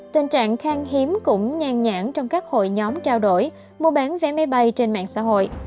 tình trạng khang hiếm cũng ngang nhãn trong các hội nhóm trao đổi mua bán vé máy bay trên mạng xã hội